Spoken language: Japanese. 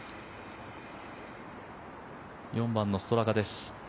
４番のストラカです。